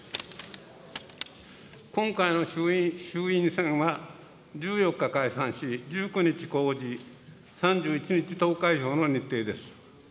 今回の衆院選は、１４日解散し、１９日公示、３１日投開票の日程です。